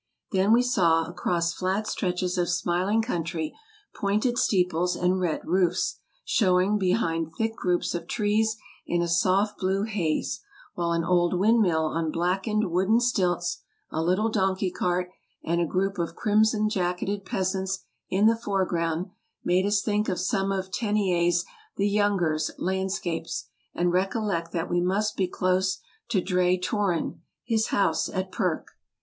Then we saw, across flat stretches of smiling country, pointed steeples and red roofs, showing behind thick groups of trees in a soft blue haze, while an old wind mill on blackened wooden stilts, a little donkey cart, and a group of crimson jacketed peasants in the foreground made us think of some of Teniers the Younger's landscapes, and recollect that we must be close to Drei Torren, his house at Perck.